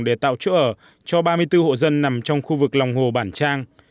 để tạo chỗ ở cho ba mươi bốn hộ dân nằm trong khu vực lòng hồ bản trang